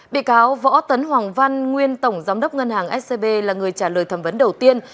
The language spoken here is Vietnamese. bị cáo võ tấn hoàng văn nguyên tổng giám đốc ngân hàng scb là người trả lời thẩm vấn đầu tiên